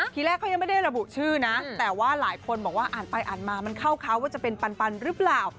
ทีแรกเขายังไม่ได้ระบุชื่อนะแต่ว่าหลายคนบอกว่าอ่านไปอ่านมามันเข้าเขาว่าจะเป็นปันหรือเปล่า